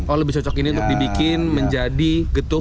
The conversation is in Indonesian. oh lebih cocok ini untuk dibikin menjadi gedung